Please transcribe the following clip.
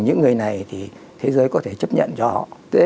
những người này thì thế giới có thể chấp nhận cho họ